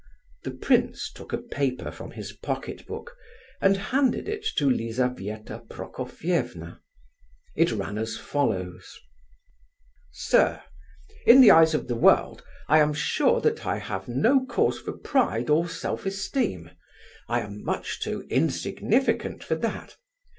The prince took a paper from his pocket book, and handed it to Lizabetha Prokofievna. It ran as follows: "Sir, "In the eyes of the world I am sure that I have no cause for pride or self esteem. I am much too insignificant for that.